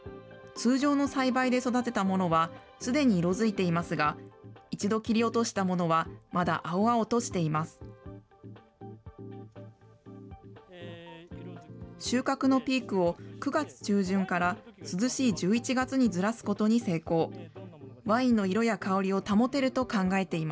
通常の栽培で育てたものはすでに色づいていますが、一度切り落としたものは、まだ青々としています。